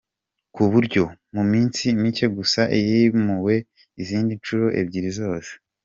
ku buryo mu minsi mike gusa yimuwe izindi nshuro ebyiri zose.